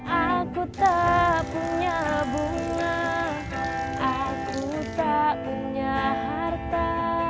aku tak punya bunga aku tak punya harta